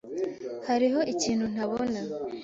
Hariho ikintu ntabona.